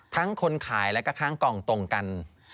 ทั้งคนขายแล้วก็ทั้งกล่องตรงกัน